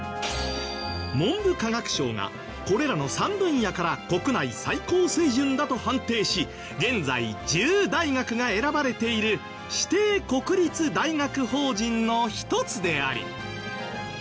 文部科学省がこれらの３分野から国内最高水準だと判定し現在１０大学が選ばれている指定国立大学法人の一つであり。